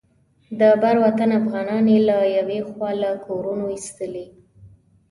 د بر وطن افغانان یې له یوې خوا له کورونو ایستلي.